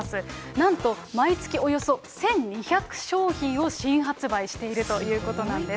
なんと毎月およそ１２００商品を新発売しているということなんです。